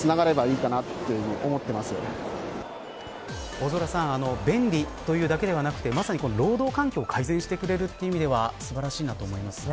大空さん便利というだけではなく労働環境を改善してくれるという意味では素晴らしいなと思いますね。